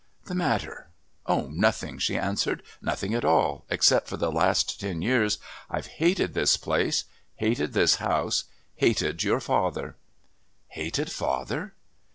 "The matter? Oh, nothing!" she answered. "Nothing at all, except for the last ten years I've hated this place, hated this house, hated your father." "Hated father?"